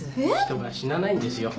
人が死なないんですよ。